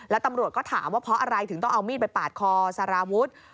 แล้วตำรวจก็ถามว่าเพราะอะไรถึงต้องเอามีดไปปาดคอสารวุฒิ